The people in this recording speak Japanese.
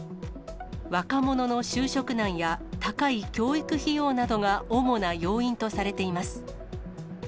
若者の就職難や高い教育費用などが主な要因とされています。